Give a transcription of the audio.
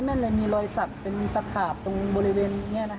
ก็เลยไม่ได้กลิ่น